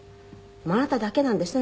あなただけなんですって？